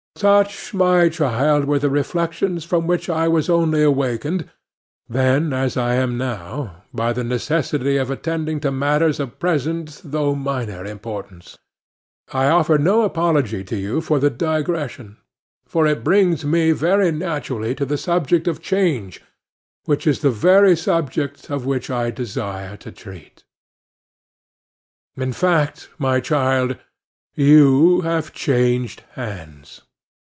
Such, my child, were the reflections from which I was only awakened then, as I am now, by the necessity of attending to matters of present though minor importance. I offer no apology to you for the digression, for it brings me very naturally to the subject of change, which is the very subject of which I desire to treat. In fact, my child, you have changed hands.